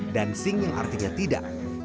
dan sing yang artinya tidak